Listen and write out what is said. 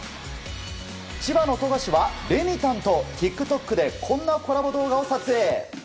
千葉の富樫は、レミたんとＴｉｋＴｏｋでこんなコラボ動画を撮影。